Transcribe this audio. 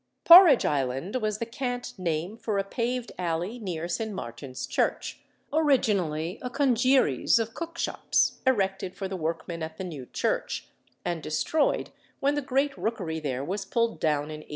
Porridge Island was the cant name for a paved alley near St. Martin's Church, originally a congeries of cookshops erected for the workmen at the new church, and destroyed when the great rookery there was pulled down in 1829.